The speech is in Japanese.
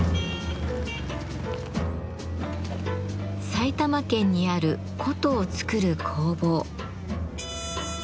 埼玉県にある箏を作る工房。